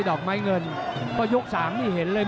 ดอกไม้เงินก็ยก๓นี่เห็นเลย